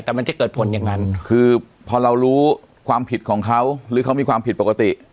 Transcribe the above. แต่มันจะเกิดผลอย่างนั้นคือพอเรารู้ความผิดของเขาหรือเขามีความผิดปกติ